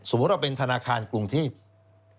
สมมุติเราเป็นธนาคารกรุงเทพฯ